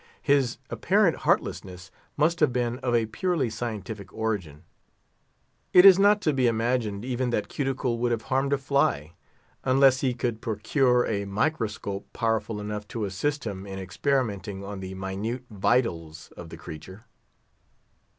His apparent heartlessness must have been of a purely scientific origin. It is not to be imagined even that Cuticle would have harmed a fly, unless he could procure a microscope powerful enough to assist him in experimenting on the minute vitals of the creature.